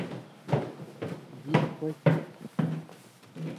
ژیب پچیۡ تھی۔